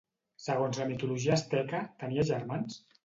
Segons la mitologia asteca, tenia germans?